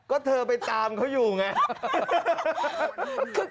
ก็เธอไปตามเขาอยู่ไง